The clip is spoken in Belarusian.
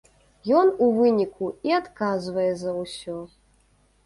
Ён у выніку і адказвае за ўсё.